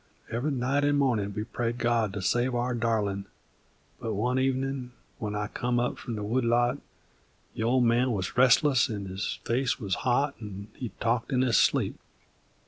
Ev'ry night 'nd mornin' we prayed God to save our darlin'; but one evenin' when I come up from the wood lot, the Old Man wuz restless 'nd his face wuz hot 'nd he talked in his sleep.